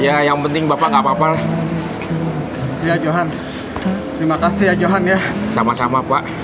ya yang penting bapak nggak apa apa lah ya johan terima kasih ya johan ya sama sama pak